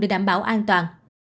để đảm bảo an toàn